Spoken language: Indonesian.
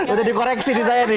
udah di koreksi di saya nih